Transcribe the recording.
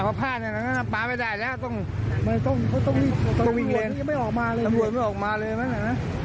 ไหมต้องเขาต้องเพิ่งไม่ออกมาเลยชะบวกมันออกมาเลยปะฮะ